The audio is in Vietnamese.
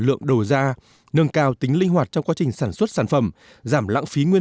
phẩm của quốc gia nâng cao tính linh hoạt trong quá trình sản xuất sản phẩm giảm lãng phí nguyên